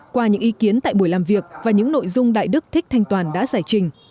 qua những ý kiến tại buổi làm việc và những nội dung đại đức thích thanh toàn đã giải trình